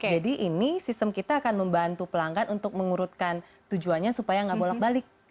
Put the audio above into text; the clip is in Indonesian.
jadi ini sistem kita akan membantu pelanggan untuk mengurutkan tujuannya supaya nggak bolak balik